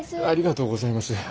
ありがとうございます。